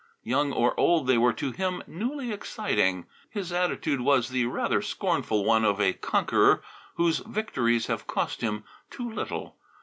Young or old, they were to him newly exciting. His attitude was the rather scornful one of a conqueror whose victories have cost him too little.